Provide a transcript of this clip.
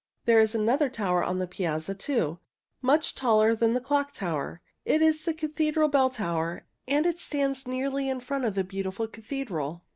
There is another tower on the piazza, too, much taller than the Clock Tower. It is the Cathedral Bell Tower, and it stands nearly in front of the beautiful cathedral.